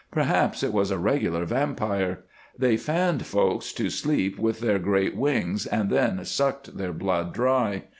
Perhaps it was a regular vampire. They fanned folks to sleep with their great wings, and then sucked their blood dry.